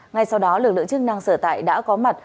ngay sau đó lực lượng chức năng sở tại đã có mặt